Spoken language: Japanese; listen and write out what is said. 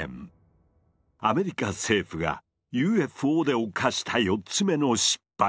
アメリカ政府がＵＦＯで犯した４つ目の失敗。